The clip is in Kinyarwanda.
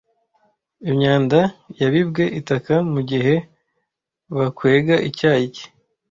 Imyanda yabibwe itaka mugihe bakwega icyayi cye,